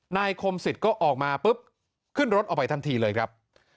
คมสิทธิ์ก็ออกมาปุ๊บขึ้นรถออกไปทันทีเลยครับ